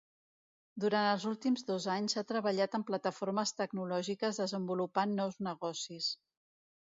Durant els últims dos anys ha treballat en plataformes tecnològiques desenvolupant nous negocis.